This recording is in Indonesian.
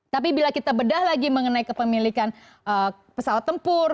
tapi bila kita bedah lagi mengenai kepemilikan pesawat tempur